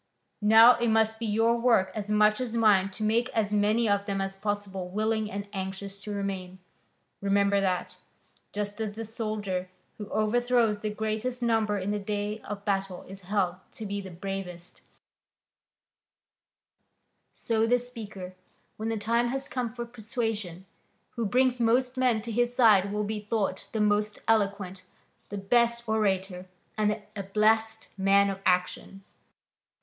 Now it must be your work as much as mine to make as many of them as possible willing and anxious to remain. Remember that, just as the soldier who overthrows the greatest number in the day of battle is held to be the bravest, so the speaker, when the time has come for persuasion, who brings most men to his side will be thought the most eloquent, the best orator and the ablest man of action.